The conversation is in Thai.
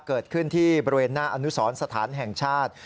เกิดขึ้นที่บริเวณหน้าอนุสรสถานแห่งชาติ